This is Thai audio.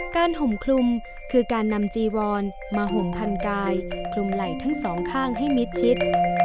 ห่มคลุมคือการนำจีวอนมาห่มพันกายคลุมไหล่ทั้งสองข้างให้มิดชิด